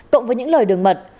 cộng với những lời đường mật